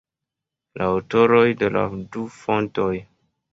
La aŭtoroj de la du fontoj.